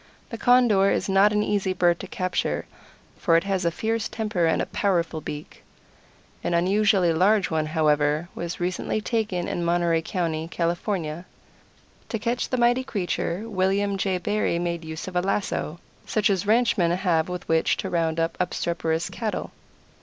The Condor is not an easy bird to capture, for it has a fierce temper and a powerful beak. An unusually large one, however, was recently taken in Monterey County, California. To catch the mighty creature William J. Barry made use of a lasso, such as ranchmen have with which to round up obstreperous cattle.